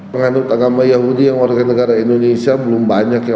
penganut agama yahudi yang warga negara indonesia belum banyak ya